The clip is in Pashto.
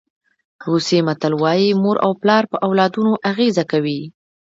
روسي متل وایي مور او پلار په اولادونو اغېزه کوي.